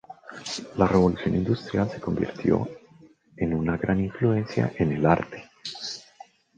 La revolución industrial se convirtió en una gran influencia en el arte.